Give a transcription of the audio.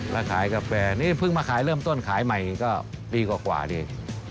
แล้วขายกาแฟนี่เพิ่งมาขายเริ่มต้นขายใหม่ก็ปีกว่านี่